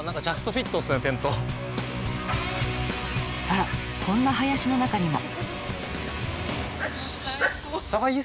あらこんな林の中にも。